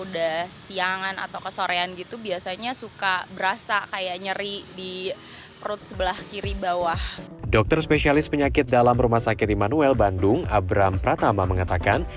dokter spesialis penyakit dalam rumah sakit immanuel bandung abram pratama mengatakan